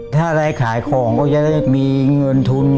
ถ้าได้ขายของก็จะได้มีเงินทุน